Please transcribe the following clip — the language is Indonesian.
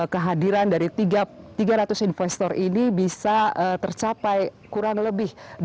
kehadiran dari tiga ratus investor ini bisa tercapai kurang lebih